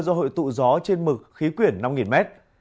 do hội tụ gió trên mực khí quyển năm m